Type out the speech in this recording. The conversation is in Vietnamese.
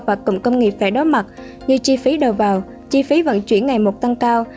và cụm công nghiệp phải đối mặt như chi phí đầu vào chi phí vận chuyển ngày một tăng cao